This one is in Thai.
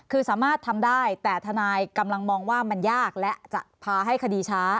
คือสามารถทำได้แต่ทนายกำลังมองว่ามันยากและจะพาให้คดีช้า